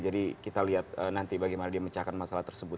jadi kita lihat nanti bagaimana dia mecahkan masalah tersebut